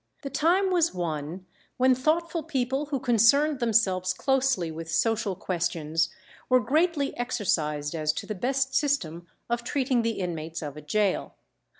The time was one when thoughtful people who concerned themselves closely with social questions were greatly exercised as to the best system of treating the inmates of a gaol.